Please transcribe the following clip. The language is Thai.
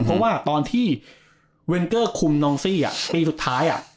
เพราะว่าตอนที่เวนเกอร์คุมนองซี่ปีสุดท้าย